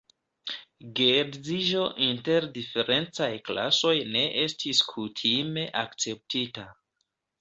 Geedziĝo inter diferencaj klasoj ne estis kutime akceptita.